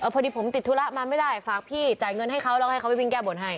พอดีผมติดธุระมาไม่ได้ฝากพี่จ่ายเงินให้เขาแล้วให้เขาไปวิ่งแก้บนให้